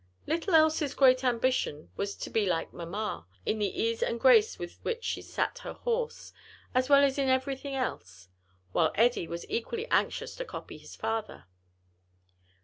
Little Elsie's great ambition was "to be like mamma" in the ease and grace with which she sat her horse, as well as in every thing else; while Eddie was equally anxious to copy his father.